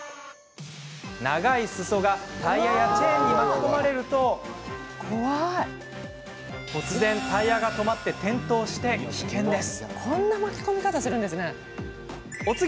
長いすそがタイヤやチェーンに巻き込まれると突然、タイヤが止まって転倒し危険です。